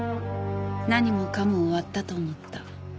何もかも終わったと思った。